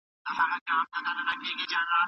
ولسي جرګه به د روغتيايي خدماتو څارنه وکړي.